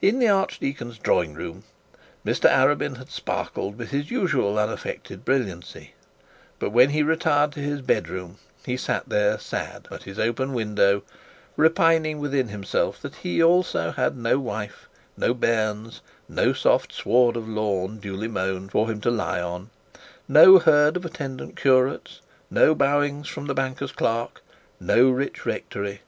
In the archdeacon's drawing room, Mr Arabin had sparkled with his usual unaffected brilliancy, but when he retired to his bed room, he sat there sad, at his open window, repining within himself that he also had no wife, no bairns, no soft award of lawn duly mown for him to be on, no herd of attendant curates, no bowings from the banker's clerks, no rich rectory.